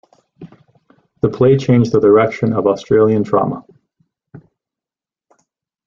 The play changed the direction of Australian drama.